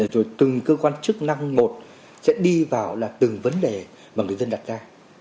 rồi từng cơ quan chức năng một sẽ đi vào là từng vấn đề mà người dân đặt ra